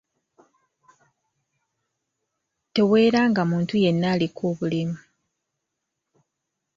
Teweeranga muntu yenna aliko obulemu.